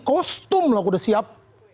kostum lah udah siap